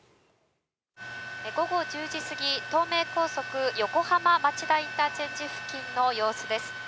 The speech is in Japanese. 午後１０時過ぎ東名高速横浜町田ＩＣ付近の様子です。